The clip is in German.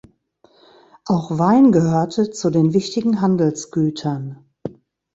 Auch Wein gehörte zu den wichtigen Handelsgütern.